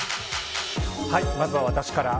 はい、まずは私から。